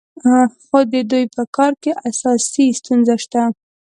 خو د دوی په کار کې اساسي ستونزه شته.